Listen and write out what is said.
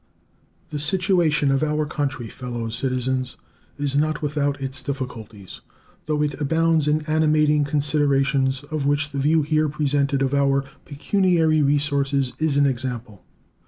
The situation of our country, fellow citizens, is not without its difficulties, though it abounds in animating considerations, of which the view here presented of our pecuniary resources is an example.